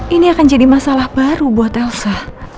ini akan jadi masalah baru buat elsa